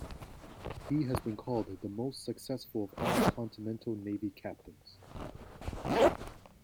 He has been called "the most successful of all Continental Navy captains".